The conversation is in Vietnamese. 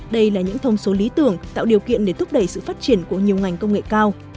đây là những thông số lý tưởng tạo điều kiện để thúc đẩy sự phát triển của nhiều ngành công nghệ cao